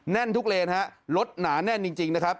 แน่นทุกเลนฮะรถหนาแน่นจริงนะครับ